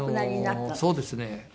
そうですね。